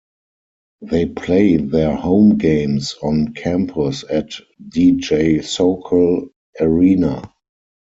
They play their home games on campus at D. J. Sokol Arena.